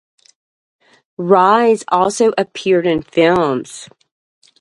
Reyes also appeared in films.